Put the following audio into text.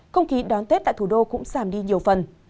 không khí đón tết tại thủ đô cũng giảm đi nhiều phần